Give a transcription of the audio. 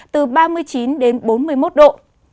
từ ba mươi chín bốn mươi một độ